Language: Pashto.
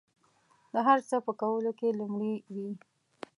د هر څه په کولو کې لومړي وي.